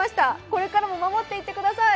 これからも守っていってください。